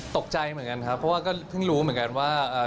ตกใจเหมือนกันครับเพราะว่าก็เพิ่งรู้เหมือนกันว่า